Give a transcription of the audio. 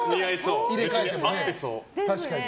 入れ替えても。